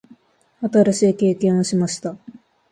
新しい経験をしました。